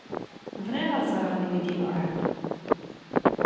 Bɣiɣ ad ẓṛeɣ anwa i d-iluɛan.